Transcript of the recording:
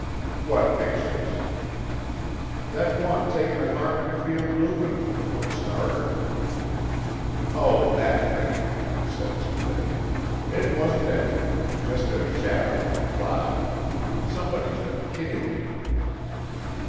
"What pictures?" "That one taken at Harmon Field, Newfoundland, for a starter." "Oh, that thing," said Splitt. "It wasn't anything—just a shadow on a cloud. Somebody's been kidding you."